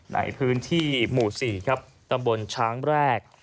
ในพื้นที่หมู่๔ครับตำบลช้างแรก